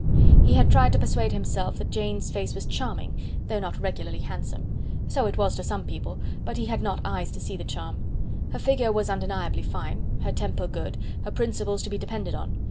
He had tried to persuade himself that Jane's face was charming, though not regularly handsome; so it was to some people, but he had not eyes to see the charm. Her figure was undeniably fine, her temper good, her principles to be depended on.